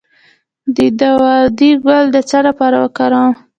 د داودي ګل د څه لپاره وکاروم؟